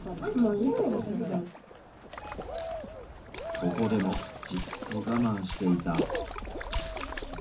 ここでもじっと我慢していた。